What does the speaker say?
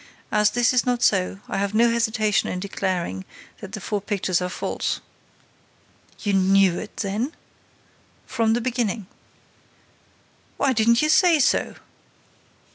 As this is not so, I have no hesitation in declaring that the four pictures are false." "You knew it, then?" "From the beginning." "Why didn't you say so?"